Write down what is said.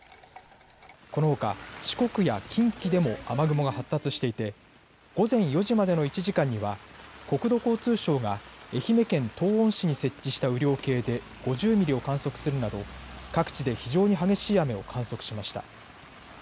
このほか四国や近畿でも雨雲が発達していて午前４時までの１時間には国土交通省が愛媛県東温市に設置した雨量計で５０ミリを観測するなど各地で非常に激しい雨を観測しました。